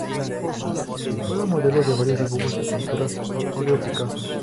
Fue la modelo de varios dibujos y pinturas al óleo Picasso.